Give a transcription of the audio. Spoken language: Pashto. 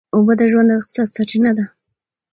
اوبه د ژوند او اقتصاد سرچینه ده.